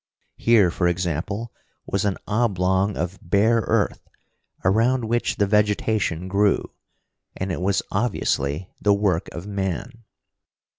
Here, for example, was an oblong of bare earth around which the vegetation grew, and it was obviously the work of man.